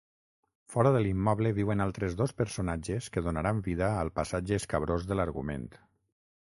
Fora de l'immoble viuen altres dos personatges que donaran vida al passatge escabrós de l'argument.